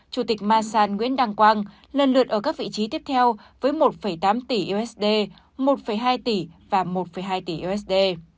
chủ tịch masan nguyễn đăng quang lần lượt ở các vị trí tiếp theo với một tám tỷ usd một hai tỷ và một hai tỷ usd